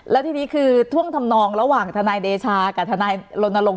แล้วทีนี้คือท่วงทำนองระหว่างทนายเดชากับทนายรณรงค